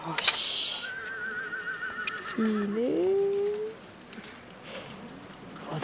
いいね。